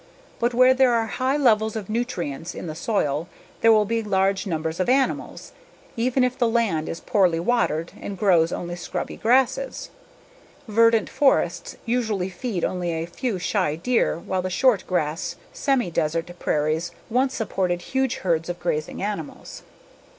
But where there are high levels of nutrients in the soil there will be large numbers of animals, even if the land is poorly watered and grows only scrubby grasses verdant forests usually feed only a few shy deer while the short grass semi desert prairies once supported huge herds of grazing animals.